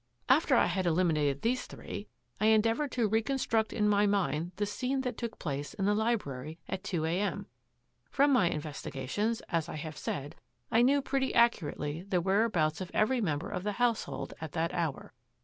After I had eliminated these three, I endea voured to reconstruct in my mind the scene that took place in the library at two a. m. From my investigations, as I have said, I knew pretty ac curately the whereabouts of every member of the household at that hour.